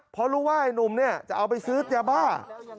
เพราะรู้ว่านายนุ่มจะเอาไปซื้อเจ้าบ้า